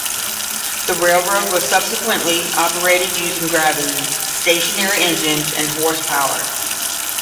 The railroad was subsequently operated using gravity, stationary engines and horse power.